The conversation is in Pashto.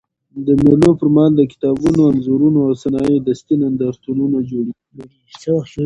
د مېلو پر مهال د کتابونو، انځورونو او صنایع دستي نندارتونونه جوړېږي.